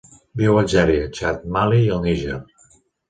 Viu a Algèria, Txad, Mali i el Níger.